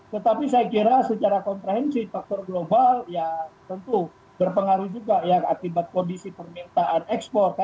tetapi saya kira secara komprehensif faktor global ya tentu berpengaruh juga ya akibat kondisi permintaan ekspor